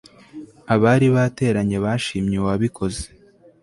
abari bateranye bashimye uwabikoze